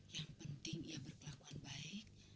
yang penting ia berkelakuan baik